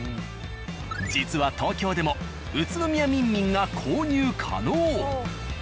実は東京でも「宇都宮みんみん」が購入可能。